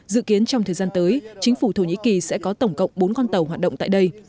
dự kiến trong thời gian tới chính phủ thổ nhĩ kỳ sẽ có tổng cộng bốn con tàu hoạt động tại đây